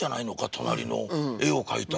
隣の絵を描いた。